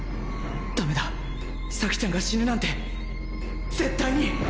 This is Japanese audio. ダメだ咲ちゃんが死ぬなんて絶対に！